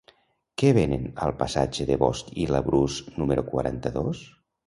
Què venen al passatge de Bosch i Labrús número quaranta-dos?